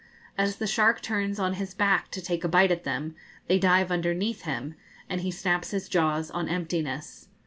As the shark turns on his back to take a bite at them, they dive underneath him, and he snaps his jaws on emptiness.